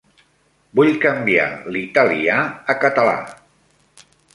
Vull canviar l'italià a català.